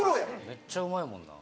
めっちゃうまいもんな。